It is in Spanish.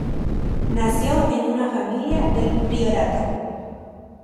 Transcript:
Nació en una familia del Priorato.